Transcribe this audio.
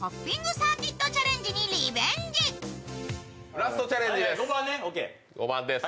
ラストチャレンジです。